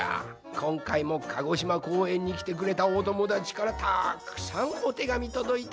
こんかいも鹿児島こうえんにきてくれたおともだちからたくさんおてがみとどいたぞい！